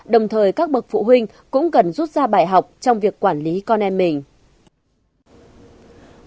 đồng thời các bậc phụ huynh cũng cần rút ra bài học trong việc quản lý con em mình